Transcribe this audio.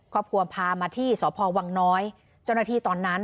ครอบครัวพามาที่สพวังน้อยเจ้าหน้าที่ตอนนั้น